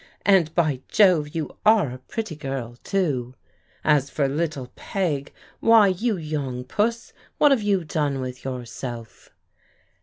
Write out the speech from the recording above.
And, by Jove, you are a pretty girl too. As for little Peg; why, you young puss, what have you done with your self?"